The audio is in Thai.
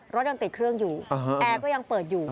รถยังติดเครื่องอยู่แอร์ก็ยังเปิดอยู่